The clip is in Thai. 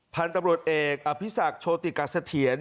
พันธุ์ตำรวจเอกอภิษักโชติกัสเถียร